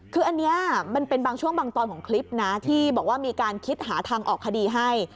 คืออันนี้มันเป็นบางช่วงบางตอนของคลิปนะที่บอกว่ามีการคิดหาทางออกคดีให้